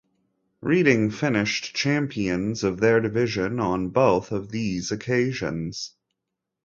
Reading finished champions of their division on both of these occasions.